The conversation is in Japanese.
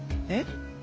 えっ？